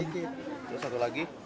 terus satu lagi